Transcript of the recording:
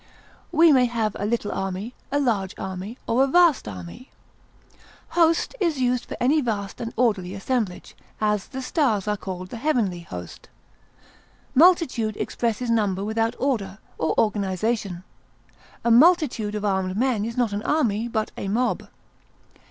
We may have a little army, a large army, or a vast army. Host is used for any vast and orderly assemblage; as, the stars are called the heavenly host. Multitude expresses number without order or organization; a multitude of armed men is not an army, but a mob.